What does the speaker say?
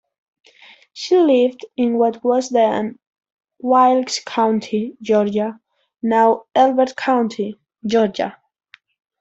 She lived in what was then Wilkes County, Georgia, now Elbert County, Georgia.